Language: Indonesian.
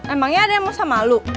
emangnya ada yang mau sama lu